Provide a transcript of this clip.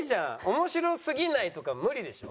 面白すぎないとか無理でしょ？